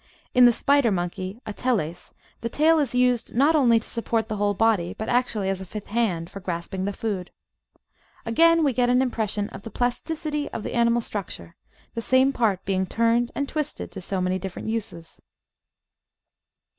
In the Spider Monkey (Ateles) the tail is used not only to support the whole body, but actually as a "fifth hand" for grasp ing the food. Again, we get an impression of the plasticity of animal structure — ^the same part being turned and twisted to so many diflferent uses.